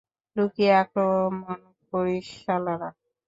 লুকিয়ে আক্রমণ করিস, শালারা!